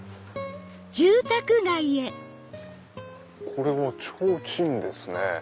これはちょうちんですね。